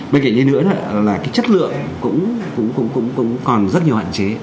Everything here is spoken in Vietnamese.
bên cạnh đây nữa là cái chất lượng cũng còn rất nhiều hạn chế